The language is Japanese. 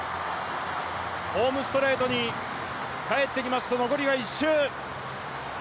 ホームストレートに帰ってきますと残りが１周。